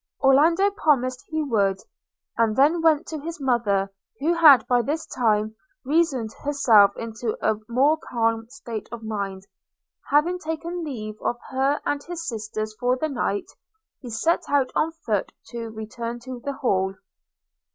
Orlando promised he would; and then went to his mother, who had by this time reasoned herself into a more calm state of mind. Having taken leave of her and his sisters for the night, he set out on foot to return to the Hall.